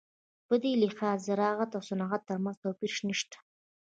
په دې لحاظ د زراعت او صنعت ترمنځ توپیر نشته.